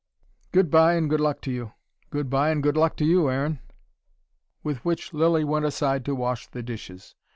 "Goodbye and good luck to you." "Goodbye and good luck to you, Aaron." With which Lilly went aside to wash the dishes.